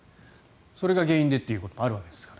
それが原因でということもあるわけですからね。